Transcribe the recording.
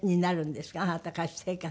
あなた歌手生活。